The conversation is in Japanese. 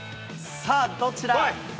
さあ、どちら？